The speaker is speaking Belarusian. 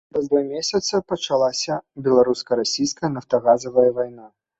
Праз два месяца распачалася беларуска-расійская нафтагазавая вайна.